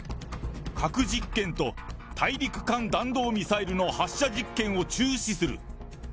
核実験と大陸間弾道ミサイルの発射実験を中止する。